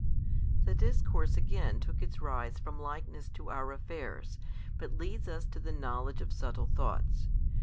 The discourse again took its rise from likeness to our affairs, but leads us to the knowledge of subtle thoughts.